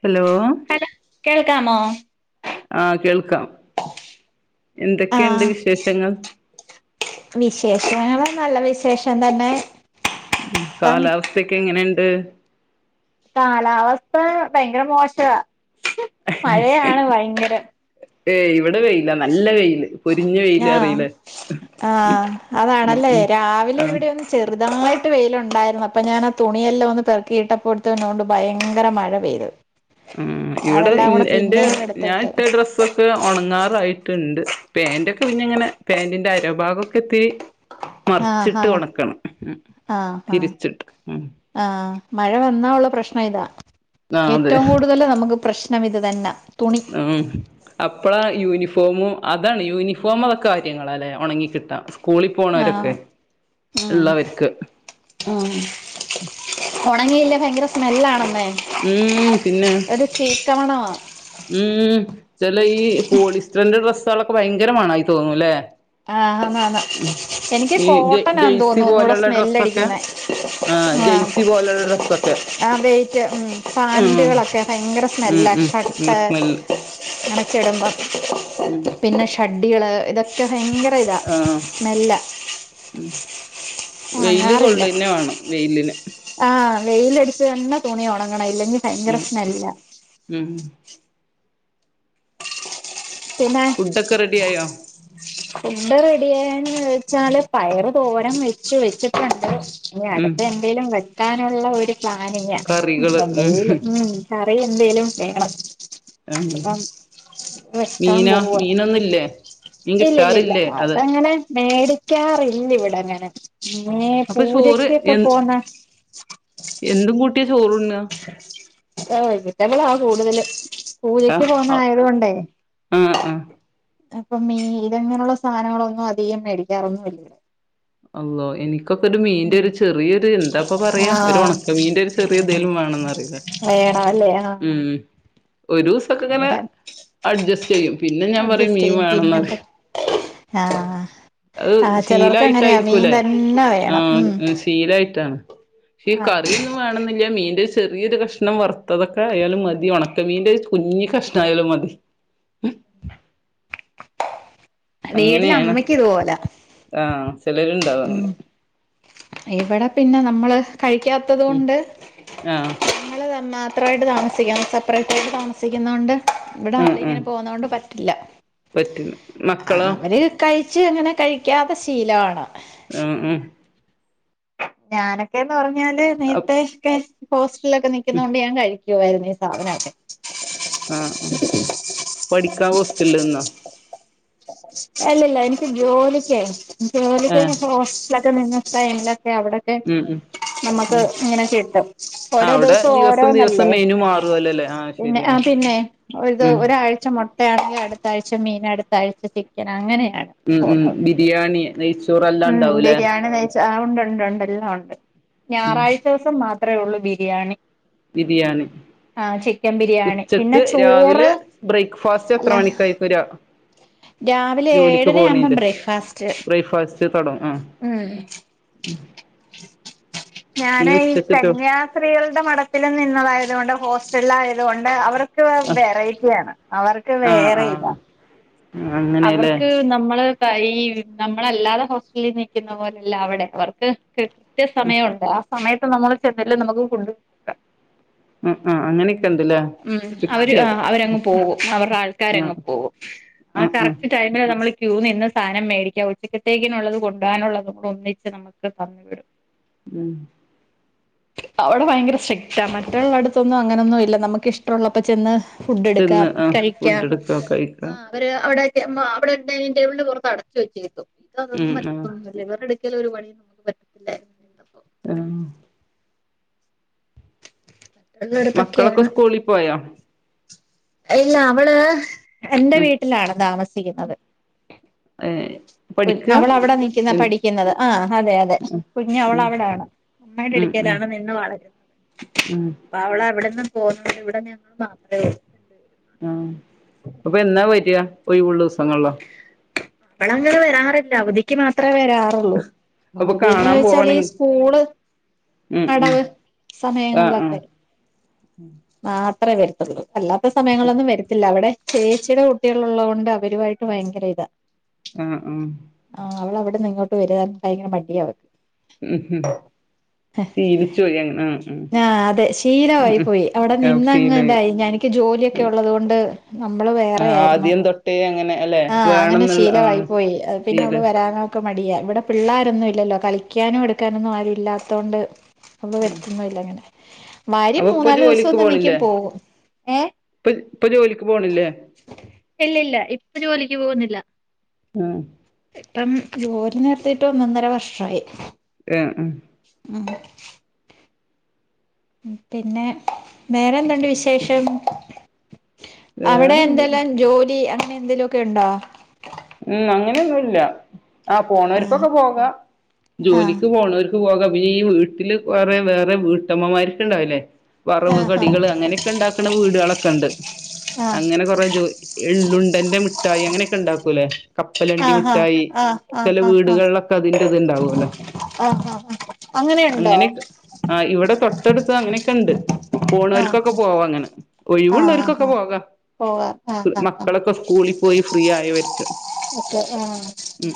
Hello, hello കേൾക്കാമോ? ആഹ കേൾക്കാം എന്തൊക്കെയുണ്ട് വിശേഷങ്ങൾ? വിശേഷങ്ങൾ നല്ല വിശേഷം തന്നെ. ഇപ്പം കാലാവസ്ഥക്കെ എങ്ങനെുണ്ട്? കാലാവസ്ഥ ഭയങ്കര മോഷാ. മഴയാണ് ഭയങ്കര. ഏ ഇവിടെ വെയിലാ നല്ല വെയിൽ പൊരിഞ്ഞ വെയിൽ പറിലെ. ആ അതാണല്ലേ? രാവിലെ ആ ഇവിടെ ഒന്ന് ചെറു നന്നായിട്ട് വെയിയിലുണ്ടായിരുന്നു അപ്പൊ ഞാൻ ആ തുണിയെല്ലാം ഒന്ന് പെറുക്കി ഇട്ടപ്പോത്തിനു ഭയങ്കര മഴ പെയ്തു. ഉം ഇവിടെ അതെല്ലാം കൂടെ എന്റെ പിന്നെയും ഞാൻ എടുത്തിട്ട് ഇട്ട ഡ്രസ്സൊക്കെ ഉണങ്ങാറായി. ട്ടണ്ട് പാൻറ്റൊക്കെ പിന്നാങ്ങനെ പാറ്റി ന്റെ അരഭാഗൊക്കെ ഇത്തിരി ആഹ് മറിച്ചിട്ട് ആഹ് ഉണക്കണം മം ആഹ് ആഹ് തിരിച്ചിട്ട് ഉം. ആഹ് മഴ വന്നാ ഉള്ള പ്രശ്നം ഇതാ ആ ഏറ്റവും കൂടുതൽ നമുക്ക് പ്രശ്നം ഇത് തന്നെ. ആ അപ്പള യൂനീഫോം ഫോമും അതാണ് യൂണിഫോമൊക്കെ കാര്യങ്ങള അല്ലെ ഉണങ്ങി കിട്ടാം സ്കൂളിൽ പോണവരൊക്കെ ആഹ് ഉം ഉള്ളവർക്ക്. ഉണങ്ങിയില്ലേ ഭയങ്കര സ്മെല്ലാണ്. ഉം പിന്നെ? [unintelligible] ഉം ചില ഈ പോളിസ്റ്ററിന്റെ ഡ്രസ്സകളൊക്കെ ഭയങ്കര മണായി തോന്നൂല്ലെ? ആഹ്ന്നാ എനിക്ക് ഈ ജ കോട്ടനാ തോന്നുന്നു ഒന്നുകൂടെ സമ്മേല്ല അടികുന്നെ. ആ ജെയ്സി പോലെയുള്ള ഡ്രസ്സൊക്കെ. ആ വെയിറ്റ് ഉം പൻറ്റുകളൊക്കെ ഭയങ്കര ഉം സ്മെല്ലാണ് ഉം ഷ ഉം ഹ് സ്മെല്ല് മറിച്ചിടുമ്പോ ഉം പിന്നെ ഷഡ്ഡികള് ഇതൊ ഒക്കെ ഭയങ്കര ഇതാണ് ആഹ് സ്മെല്ല വെയിൽ കൊള്ളന്നെ വേണം വെയിൽ. ആഹ് വെയിൽ അടിച്ച് തന്നെ തുണി ഉണങ്ങണം ഇല്ലെങ്കി ഭയങ്കര ഉം സ്മെല്ല. ഉം പിന്നെ ഫുഡൊക്കെ റെഡി ആയോ? ഫുട്ട്. റെഡി ആായന്ന് വെച്ചാല് പയറ് തോരൻ വെച്ച്. വെച്ചിട്ടുണ്ട് ഇനി ഉം അടുത്ത എന്തെലും വെക്കാനുള്ള ഒരു പ്ലാനിങ്ങ. കറികള് ഉം എന്തേലും. ഉം. ആ അത്ര [unintelligible] എന്തെേലും വേണം ആ [unintelligible] അപ്പം വെക്കാൻ മീനോ.. പോവാ ജീനൊന്നുല്ലേ. മീൻ കിട്ടാറില്ലേ അത്. മേടിക്കാറില്ലവിഅങ്ങനെ മ്മേ. അപ്പൊ ചോറ് പൂജക്കൊക്കെ. എ പോന്നേ എന്തും കൂട്ടിയാ ചോറുണ്ണ അ വെജിറ്റബിള. ആ കൂടുതൽ പൂജക്ക് പോുന്ന ആയതൊണ്ടേ ആഹ, ആ, അപ്പം മീല ങ്ങനെയുള്ള സാനങ്ങളൊന്നും. അധികം മേടിക്കാറൊന്നും. ഇല്ല അള്ളോ. എനിക്ക് ക്കൊക്കെരു മീന്റെ ഒരു ചെറിയത് എന്താപ്പ പറയാ ഒരു ആഹ് ഉണക്ക മീൻന്റെ ഒരു സെറിയതേലും വേണന്ന്. അറിക വേറാഅല്ലേ. ആഹ ഒരുസൊക്കെ. ഇങ്ങനെ അഡ്ജസ്റ്റ് ചെയ്യും പിന്നെ ഞാൻ പറയും അഡ്ജസ്റ്റ് മീൻ ചെയ്യും മാണെന്ന് പിന്നെ പ്പ [unintelligible] ആഹ് ആഹ ച്ചെലർക്ക്. അങ്ങനെയ മീൻ ശീലായിട്ടായിരിക്കൂലേ തന്നെ വേണം ഉം ആഹ് ശീലായിട്ടാണ് ഈ ആഹ് കറിയൊന്നും വേണന്നില്ല്യ. മീൻ ഹ്. ചെറിയരു കഷ്ണം വറുത്തതൊക്കെ ആയാലും മതി ഉണക്കമീൻന്റെ കുഞ്ഞ് കഷ്ണ ആയാലും മതി [unintelligible] വീട്ടില് അങ്ങനെയാണ് അമ്മയ്ക്ക് ഇതുപോലാ ആ, ഹ, ആ, ചെലരുണ്ടാവും, അങ്ങനെ ഉം ഇവിടെ പിന്നെ നമ്മള്. ഹ്. കഴിക്കാത്തത് കൊണ്ട്. ആഹ് [unintelligible] മാത്രോയിട്ട്. താമസിക്കാം. സെപ്പറേറ്റ് ആായിട്ട് താമസിക്കുന്നോണ്ട്. ഇവിടെ ഉം ആളെ ഇങ്ങനെ ഉം പോന്നൊണ്ട്. പ ഇല്ല. പറ്റും അ. മക്കളോ അവര് കയിച്ച് അങ്ങനെ കഴിക്കാത്തെ ശീലാണ് ആഹ ആഹ ഞാനൊക്കെന്ന് റഞ്ഞാൽ അപ് നേരത്തെൊക്കെ ഹോസ്റ്റലിലൊക്കെ ഉം നിക്കുന്നൊണ്ട് ഞാൻ കഴി ായിരുന്നു ഈ സാധനൊട്ടെ [unintelligible] ആഹ, അ, പഠിക്കാ. ഹോസ്റ്റൽന്നാ അല്ലല്ല എനിക്ക് ജോലിക്കെ ജോലിക്ക് ഏഹ് ജോസ്റ്റലൊക്കെ നിന്ന ടൈമി എ. അവിടൊക്കെ ഉം ഉം നമ്മക്ക്. ഇങ്ങനെ കിട്ടും. ആഹ് ഓരോ അവിടെ ദിവസവൊ ദിവസം ദിവസം ഓരോന്നല്ലേ. മെനു മാറുവല്ലോല്ലേ ആഹ് പിന്നെ. ആ ശരിയാണ് പിന്നെ. ഒരുദി. ഉം ഒരാഴ്ച മൊ ട്ടയാണെങ്കി. അടുത്താഴ്ച്ച മീൻ അടുത്താഴ്ച ചിക്കൻ അങ്ങനെയ. ഉം, ഉം, ബിരിയാണി നെയ്ച്ചോറെല്ലാം ഉം ഉണ്ടാവുല്ലേ ബിരിയാണി നെയ്ച്ച ആ ഉണ്ട്. ഉണ്ട്.. ഉണ്ട്. എല്ലാം. ഉണ്ട്. ഞായറാഴ്ച. സം മാത്രേള്ളൂ. ബിരിയാണി.. പിധിയാണി ആ ചിക്കൻ ബിരിയാണി പിന്നെ ഉച്ചക്ക്, ചോറ് രാവിലെ, ബ്രെയ്ക്ക്ഫാസ്റ്റ്. അല്ല എത്ര ണിക്കാ. വരാ രാവിലെ ജോലിക്ക് ഏഴര ആവുമ്പം പോന്നെന്റെ ബ്രേക്ക്ഫാസ്റ്റ് ബ്രേക്ക്ഫാസ്റ്റ്, തടും, ആ, ഉം ഞാനെ. ഈ, കന്യാസ്റീകളുടെ മഠത്തിൽ നിന്നതായതുകൊണ്ടും. ഹോസ്റ്റല ആയതുകൊണ്ട് അവർ ക്. വെ. ആഹ് വെറൈറ്റി വേണം. അവർക്ക് ആഹ് വേറെ ഇതാ ആഹ് അങ്ങനെല്ലേ അവർക്ക്. ഹ്.. നമ്മള് ഈ [unintelligible] നമ്മളല്ലാതെ ഹോസ്റ്റലിൽ നിൽക്കുന്ന പോലെല്ല. അവടെ. അവർക്ക് കൃത്യ സമയൊണ്ട്. ആ സമയത്ത് നമ്മള് ചെന്നില്ലേ. നമ്മക് ഫുഡ് ആഹ് ആഹ് അങ്ങനെയൊക്കെ ഉണ്ടല്ലേ മ്മ്. അവര്. സ്ട്രിക്റ്റ് അ. അവരങ്ങ് പോകും അവര്ടെ ആഹ് ആൾക്കാങ്ങ്. പോവും ആ, ആഹ് ആഹ് കറക്റ്റ്. ടൈമി നമ്മള് ക്യൂ നിന്ന് സാനംമേടിക്യ ഉച്ചക്കത്തേക്കിനു ഉള്ളത്. കൊണ്ടാനുള്ളത്. ഒന്നിച്ച് നമുക്ക് തന്നു വിടും മ്മ് അവടെ. ഭയങ്കര സ്ട്രെക്റ്റാ മറ്റുള്ള ടുത്തൊന്നും. അങ്ങനൊന്നും ഇല്ല നമ്മുക്ക് ഇഷ്ടമള്ളപ്പൊ ചെന്ന്... ചെന്ന് ഫുഡ്ടുക്കാം, ആഹ് കഴിക്യം. ഫുഡ് എടുക്ക കഴിക്ക ആ, വിടെവിടെ ഡൈനിംഗ ടേബിന്റെ പുറത്ത് അടച്ച വെച്ചേും ഇതൊ ഉം മറ്റ ആഹ് ലിവർ [unintelligible] ഒരിക്കല ഒരു പണിയ നമുക്ക് പറ്റ [unintelligible] ആഹ് മക്കളൊക്കെ മറ്റുള്ളടത്തൊക്കെയാണ് സ്കൂളിൽ പോയാ ഇല്ല അവള് എന്റെ ഉം വീട്ടിലാണ് താമസിക്കുന്നത് ഏഹ് കുഞ് പഠിക്ക അവളവിട നിക്കുന്നെ ഉം പഠിക്കുന്നത് ആ അതെ അതെ കുഞ്ഞ് ഉം അവളവിടാണ് അമ്മയുടെ ഉം ഉം അടുക്കയിലാണ് നിന്ന് വളരുന്നത് ഉം അപ്പൊ അവള് അവിടെന്ന് പോകുന്നുണ്ട് ഇവിടെ ഞങ്ങൾ മാത്രെ ഉള്ളു ആഹ് അപ്പൊ എന്നാ വരിയാ ഒിഴിവുള്ള ദിവസങ്ങളിലൊ അവളങ്ങനെ വരാറില്ല അവധിക്ക് മാത്രം ത്രെ വരാറുള്ളൂ അപ്പൊ അവധിന്ന് കാണാൻ വെച്ചാല് ഈ പോവണെങ്കി സ്കൂള് ഉം ഉം അടവ് ആഹ് ആഹ് സമയങ്ങളിലൊക്കെ മാത്രമേ വരുത്തുള്ളൂ അല്ലാത്ത സമയങ്ങളൊന്നും വരത്തില്ല അവിടെ ചേച്ചിയുടെ കുട്ടികള് ഉള്ളകൊണ്ട് അവരുമായിട്ട് ഭയങ്കര ഇതാ ആഹ് ആഹ് വിടുന്ന് ഇങ്ങോട്ട് വരാൻ ഭയങ്കര മടിയ അവ ഉം ഉം ശീലിച്ചു പോയി അങ്ങനെ ആഹ് ഉം ആ അതെ ശീലമായി ഉം പോയി അവിടെ ആഹ് നിന്നങ്ങ് ശീലായി ഇതായി എനിക്ക് ജോലിയൊക്കെ ആഹ് ഉള്ളത് കൊണ്ട് നമ്മള് വേറെ ആയിരുന്നു ആദ്യം തൊട്ടേ അങ്ങനെ അല്ലെ ആഹ് അങ്ങനെ വേണന്നുള്ള ശീലമായി ആഹ് പോയി പിന്നെ അവള് ശീലം വരാനൊ മടിയ ഇവിടെ പിള്ളോരൊന്നും ഇല്ലല്ലോ കളിക്കാനും എടുക്കാനൊന്നും ആരു ഇല്ലാത്തൊണ്ട് അപ്പ വരുത്തൊന്നുല്ല അങ്ങനെ വരും അപ്പൊ ഇപ്പൊ മൂന്നാലു ദിവസം ജോലിക്ക് ഒന്ന് നിക്കും പോണില്ലേ പോകും ഏഹ് ഇപ്പ ഇപ്പൊ ജോലിക്ക് പോണില്ലേ ഇല്ല ഇല്ല ഇപ്പൊ ജോലിക്ക് പോകുന്നില്ല ഉം ഇപ്പം ജോലി നിർത്തിയിട്ട് ഒന്നൊന്നര വർഷായി [inaudible] പിന്നെ വേറെന്തൊണ്ട് വിശേഷം അവിടെ വേറെന്ത ഉം എന്തെല്ലാം ജോലി അങ്ങനെ എന്തെലുഒക്കെ ഉണ്ടോ ഉം അങ്ങനെയൊന്നുഇല്ല ആ ആഹ് പോണവരിക്കൊക്കെ പോകാം ആഹ് ജോലിക്ക് പോണവര് പോകാം വീ ഈ വീട്ടില് കുറെ വേറെ വീട്ടമ്മമാരൊക്കെ ഉണ്ടാവില്ലേ വറവ് കടികള് അങ്ങനെയൊക്കെ ഇണ്ടാക്കണ വീടുകളൊക്കെ ഉണ്ട് ആഹ് അങ്ങനെ കൊറേ ജോ എള്ളുണ്ടൻന്റെ മിഠായി അങ്ങനെയൊക്കെ ഉണ്ടാക്കൂല്ലേ കപ്പലണ്ടി ആഹ് മുട്ടായി ആഹ് ആഹ് ആഹ് ചില ആഹ് വീടുകളിലൊക്കെ അതിന്റെറ ഇത് ഇണ്ടാവുല്ലോ ആഹ് ആഹ് ആഹ് അങ്ങനെയുണ്ടോ അങ്ങനെക്കെ ആ ഇവിടെ തൊട്ടടുത്ത് അങ്ങനെക്കെ ഇണ്ട് പോണവർക്കൊക്കെ ആഹ് പോവാ അങ്ങനെ ആഹ് ആഹ് ഒഴിവുള്ളവർക്കൊക്കെ ആഹ് പോക പോകാം ആഹ് ഫ് ആഹ് മക്കളൊക്കെ സ്കൂളിൽ പോയി ഫ്രീ ആയവരും [unintelligible] ആ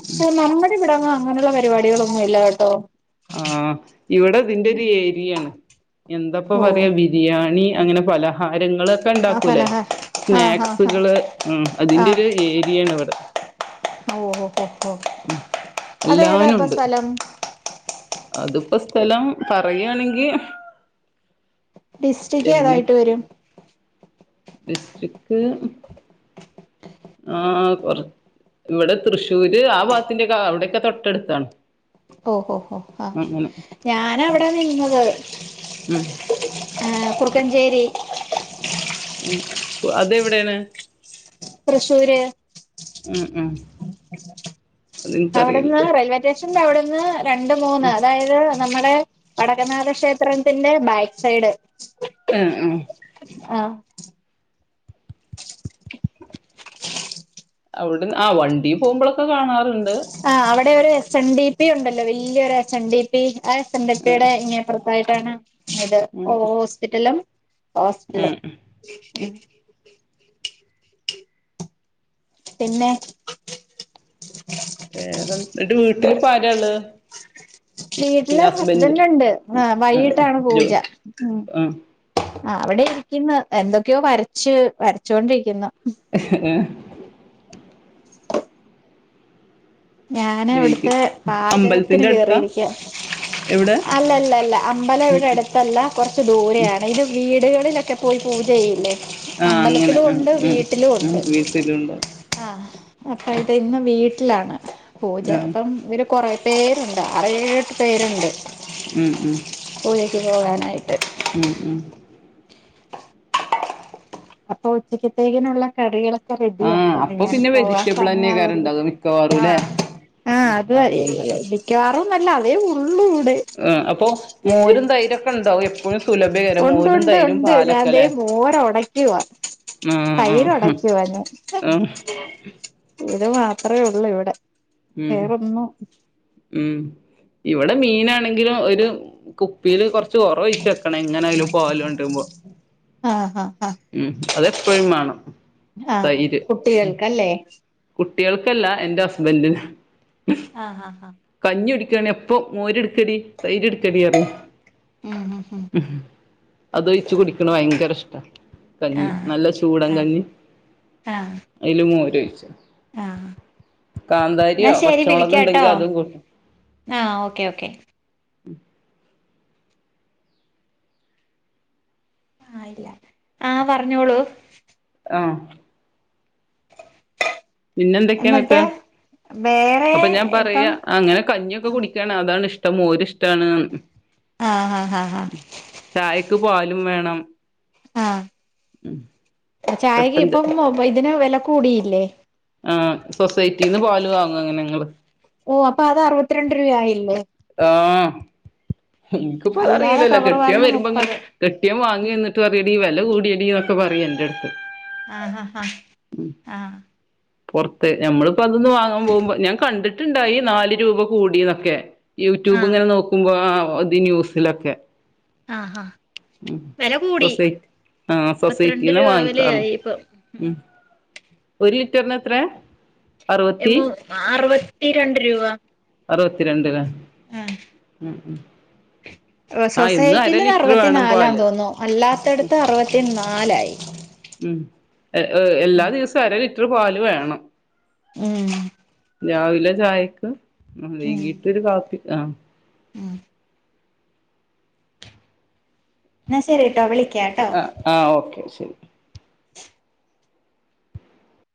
പക്ഷെ നമ്മടിവിടങ്ങും അങ്ങനെയുള്ള പരിപാടികളൊന്നും ഇല്ല കേട്ടോ ആഹ് ഇവിടെ ഇതിന്റെ ഒരു ഏരിയയാണ് എന്തപ്പ ഓഹ് പറയാ ബിരിയാണി അങ്ങനെ പല ആഹാരങ്ങളൊക്കെ ആ ഉണ്ടാക്കൂല്ലേ ഫലഹാ ആഹ് ആഹ് ആഹ് സ്നാക്സുകള് മ് അതിന്റെ ആഹ് ഒരു ഏരിയയാണ് ഇവിടെ ഓഹ് ഓഹ് ഓഹ് ഓഹ് അത് ഏതാ ഇപ്പൊ സ്ഥലം അതിപ്പോസ്ഥലം പറയാണെങ്കി ഡിസ്ട്രിറ്റ് ഏതായിട്ട് വരും ഡിസ്ട്രിക്ക് ആഹ് കൊറ ഇവിടെ തൃശ്ശൂര് ആ ഭാത്തിന്റെക്ക അവിടെയൊക്കെ തൊട്ടടുത്താണ് ഓ ഹോ ഹോ ആ അങ്ങനെ ഞാൻ അവിട നിന്നത് ഉം ഏഹ് കുറ്ക്കഞ്ചേരി ആഹ് അതെവിടെണ് തൃശ്ശൂര് ഉം ഉം അതെനിക്കറിയില്ല അവിട്ന്ന് റെയിൽവേ സ്റ്റേഷ [unintelligible] അവിടുന്ന് രണ്ട് മൂന്ന് ഉം അതായത് നമ്മടെ വടക്കനാഥ ക്ഷേത്രത്തിന്റെ ബാക്ക് സൈഡ് മ് ഹ് ആ അവിട്ന്ന് ആ വണ്ടീ പുമ്പോളൊക്കെ ആ അവിടെ ഒരു എസ് എൻ ഡി പി ഉണ്ടല്ലോ വല്ല്യൊരു എസ് എൻ ഡി പി ആ എസ് എൻ ഡി പ്പി ഏഹ് ടെ ഇങ്ങെ അപ്പർത്തായിട്ടാണ് ഇത് ഉം ഓ ഹോസ്പിറ്റലും ഹോസ്റ്റ്ലും ഉം പിന്നെ വേറെ ന്ന്ട്ട് വീട്ടിലിപ്പാരള്ള് വീട്ടില് ഹസ്ബൻ്റ്ണ്ട് ആ ഉം വൈകിട്ടാണ് ജോ പൂജ ഉം ആഹ് ആ അവിടെ ഇരിക്കുന്ന് എന്തൊക്കെയോ വരച്ച് വരച്ചുകൊണ്ടിരിക്കുന്നു ഞാൻ വൈകി ഇവിടുത്തെ പാചകത്തിന് അമ്പലത്തിന്റെ അടുത്താ കേറിയിരിക്കാ എവിടെ അല്ലല്ലല്ലല്ല ഉം അമ്പലവ്ടെ ഉം അടുത്തല്ല കുറച്ച് ദൂരെയാണ് ഇത് വീടുക ലൊക്കെ പോയി പൂജ ചെയ്യില്ലേ ആഹ് അങ്ങനെ അമ്പലത്തിലും ഉം ഉണ്ട് ഉം വീട്ടിലും ഉം ഉണ്ട് വീട്ടിലുണ്ട് ആഹ് അപ്പ ഇത് ഇന്ന് വീ ട്ടിലാണ് പൂജ ആഹ് അപ്പം ഇവർ കുറേ പേര്ണ്ട് അറേഴെട്ട് പേരുണ്ട് ഉം ഉം പൂജക്ക് പോകാനായിട്ട് ഉം ഉം അപ്പൊ ഉച്ചക്കത്തേക്കിനുള്ള കറികള് റെഡി ആഹ് ആക്ക അപ്പൊ ഞാൻ പിന്നെ പോവാൻ വെജിറ്റബിളെന്നേക്കാരം സമയവൂല്ലേ ഇണ്ടാക ആഹ മിക്കവാറുംല്ലേ ആഹ അത് അതോണ്ട് മിക്കവാറൊന്നല്ല അതേ ഉള്ളൂ ഇവിടെ ആ അപ്പൊ മോരും തൈരൊക്കെ ഉണ്ടാവും എപ്പോഴും സുലഭേകാരം മോരും തൈരും പാലൊക്കലേ മോരൊടക്കുവാ തൈര് ആഹ് ഉടക്കുവാ ഞാൻ ആഹ് അത് മാത്രമേ ഉള്ളു ഇവിടെ ഉം വേറൊന്നു ഉം ഇവിടെ മീനാണെങ്കിലും ഒരു കുപ്പിൽ കൊർച്ച് ഒറൊഴിച്ചെക്കണം എങ്ങനായാലും പോലൊണ്ടരുമ്പൊ ആഹ് ആ ഉം അതെപ്പഴും വേണം ആഹ് തൈര് കുട്ടികൾക്കല്ലേ കുട്ടികൾക്കല്ല എൻ്റെ ഹസ്ബൻഡിന് ആഹ് ആഹ് ആഹ് കഞ്ഞുടിക്കാണെ അപ്പൊ മോരടുക്കടി തൈര്ട് ക്കടി പറയും ഉം ഉം ഉം അത് ഒയ്ച്ചു കുടിക്കണ ഭയങ്കര ഇഷ്ട കഞ്ഞി ആഹ് നല്ല ചൂടൻ ആഹ് കഞ്ഞി ആഹ് അയ്ല് മോരൊയ്ച്ച് ആഹ് കാന്താരിയോ പച്ചമുളക് ഉണ്ടെങ്കി അതും ആ ഓക്കെ ഓക്കെ ഉം ആ ഇല്ല ആ പറഞ്ഞോളൂ ആ പിന്നെന്തൊക്കെയാണ്ത്ത എന്നിട്ട് വേറെ അപ്പൊ ഞാൻ ഇപ്പം പറയാ അങ്ങനെ കഞ്ഞിയൊക്കെ കുടിക്കാ അതാണ് ഇഷ്ടം മോരിഷ്ടണ് ന്ന് ആഹ് ഹഹ ഹഹാ ചായക്ക് പാലും വേണം ആഹ് ചായക്ക് കട്ടൻ ചാ ഇപ്പം ഇതിന് വില കൂടിയില്ലേ ആ സൊസൈറ്റിന്ന് പാല് വാങ്ങും അങ്ങനെ ഞങ്ങള് ഓ അപ്പൊ അത് അറുപത്തിരണ്ട് രൂപയായില്ലേ ആ എനിക്കിപ്പ അത് അല്ലാതെ അറിയിലല്ലോ കവർ കെട്ടിയോൻ പാലിന് വരുമ്പിങ്ങനെ മുപ്പത് കെട്ടിയോൻ വാങ്ങി ഉം വന്നിട്ട് പറയും ഡീ നല്ല കൂടിയടി എന്നൊക്കെ പറയും എൻന്റെടുത്ത് ആഹ ഹഹ ആഹ് പുൊറത്ത് ഞമ്മളിപ്പോ അതൊന്ന് വാങ്ങാൻ പോകുമ്പോ ഞാൻ കണ്ടിട്ട്ണ്ടായി നാല് രൂപ കൂടീന്നൊക്കെ ആഹ് യൂട്യൂബ് ഇങ്ങനെ ആഹ് നോക്കുമ്പോ അ അതി ന്യൂസിലൊക്കെ ആ ആ സൊസൈറ്റ് ആ മുപ്പത്തിരണ്ട് സൊസൈറ്റീന്ന രൂപ വാങ്ങിക്കാറുള്ളു വിലയായി ഇപ്പം ഉം. ഒരു ലിറ്ററിന് എത്രേ? എമോ അറുപത്തിരണ്ട് രൂപ. അറുപത്തിരണ്ട്ലേ ഉം ഉം. ആ ഇന്ന് അര സൊസൈറ്റില് ഇത് ലിറ്റർ വേണം അറുപത്തിനാലാണ് പാല് തോന്നുന്നു ഉം അല്ലാത്തടത്ത് അറുപത്തി നാലായി. ഉം ഹ് ഹ് എല്ലാ ദിവസവും അര ലിറ്റർ പാല് വേണം. ഏ രാവിലെ ചായക്ക് ഉം വൈകിട്ട ഒരു കാപ്പി അ. എന്നാ ശരി ട്ടോ വിളിക്ക. അ അ ഓക്കെ ശരി.